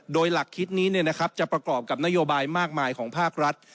โดยหลักคิดนี้จะประกอบกับนโยบายมากมายของภาครัฐ